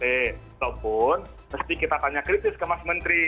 walaupun mesti kita tanya kritis ke mas menteri